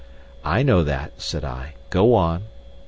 "I know that," said I. "Go on."